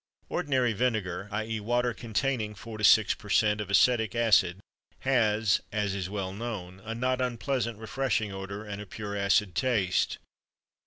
Ordinary vinegar, i.e., water containing four to six per cent of acetic acid, has, as is well known, a not unpleasant refreshing odor and a pure acid taste.